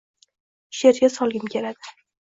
She’rga solgim keladi.